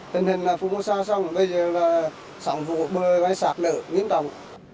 tình hình là phú vang xong rồi bây giờ là sẵn vụ bờ và sạt lở nghiêm trọng